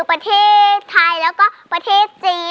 ประเทศไทยแล้วก็ประเทศจีน